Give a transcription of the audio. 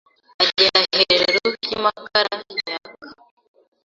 Agenda hejuru y’amakara yaka